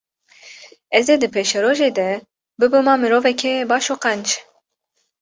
ez ê di pêşerojê de bibima mirovekê baş û qenc.